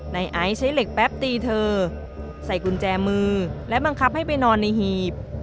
ไอซ์ใช้เหล็กแป๊บตีเธอใส่กุญแจมือและบังคับให้ไปนอนในหีบ